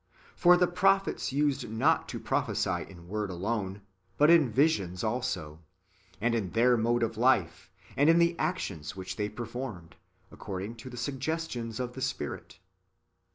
For the prophets used not to prophesy in word alone, but in visions also, and in their mode of life, and in the actions which they performed, accord ing to the suggestions of the Spirit.